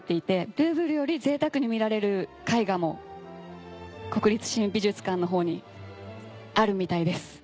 ルーヴルよりぜいたくに見られる絵画も国立新美術館の方にあるみたいです。